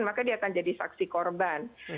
maka dia akan jadi saksi korban